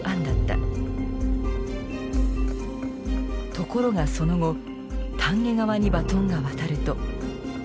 ところがその後丹下側にバトンが渡ると。